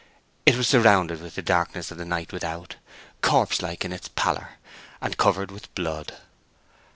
It was surrounded with the darkness of the night without, corpse like in its pallor, and covered with blood.